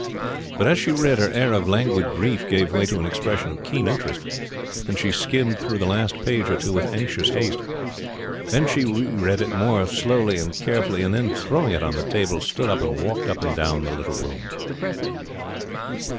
But as she read her air of languid grief gave way to an expression of keen interest, and she skimmed through the last page or two with anxious haste. Then she reread it more slowly and carefully, and then throwing it on the table stood up and walked up and down the little room.